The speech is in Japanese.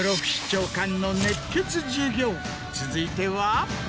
続いては。